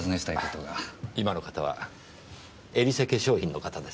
今の方はエリセ化粧品の方ですね？